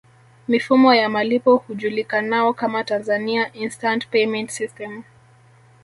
Mifumo ya malipo hujulikanao kama Tanzania Instant Payment System